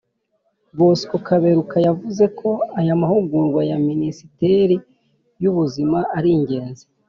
bosco kaberuka yavuze ko aya mahugurwa ya minisiteri y’ubuzima ari ingenzi